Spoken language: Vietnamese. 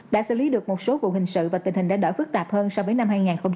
đã xử lý được một số vụ hình sự và tình hình đã đỡ phức tạp hơn so với năm hai nghìn một mươi tám